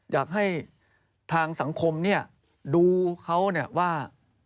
อยากให้ทางสังคมเนี่ยดูเขาแนบว่า